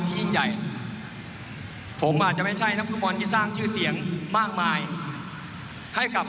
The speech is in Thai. ทีมชาติไทยไปลองฟังบางช่วงบางตอนกันครับ